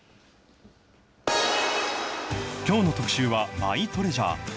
きょうの特集は、マイトレジャー。